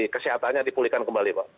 kesehatannya dipulihkan kembali pak